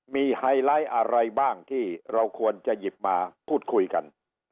มีไฮไลท์อะไรบ้างที่เราควรจะหยิบมาพูดคุยกัน